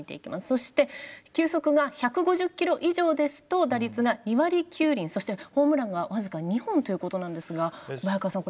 そして球速が１５０キロ以上ですと打率が２割９厘そしてホームランが僅か２本ということなんですが小早川さん